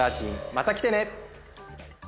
また来てね！